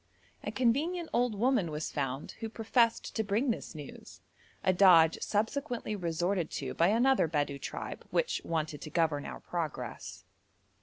A convenient old woman was found who professed to bring this news, a dodge subsequently resorted to by another Bedou tribe which wanted to govern our progress.